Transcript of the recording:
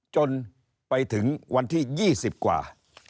จนไปถึงวันที่๒๐กว่า